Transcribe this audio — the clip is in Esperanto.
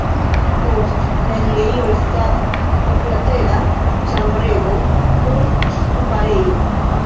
Post la enirejo estas oklatera ĉambrego kun ŝtuparejo.